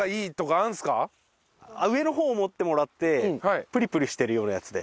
上の方を持ってもらってプリプリしてるようなやつで。